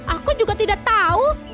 aku juga tidak tahu